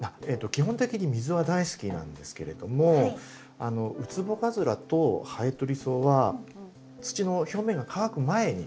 基本的に水は大好きなんですけれどもウツボカズラとハエトリソウは土の表面が乾く前に。